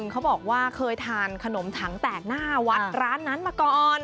เขาบอกว่าเคยทานขนมถังแตกหน้าวัดร้านนั้นมาก่อน